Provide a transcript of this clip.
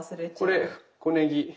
これこねぎ。